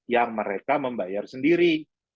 yang mereka membayar sendiri